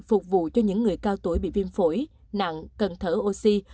phục vụ cho những người cao tuổi bị viêm phổi nặng cần thở oxy